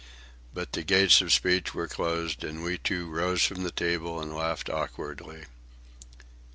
But the gates of speech were closed, and we, too, rose from the table and laughed awkwardly.